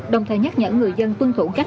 đồng thời nhắc nhở người dân tuân thủ các